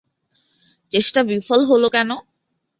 চেষ্টা বিফল হল কেন?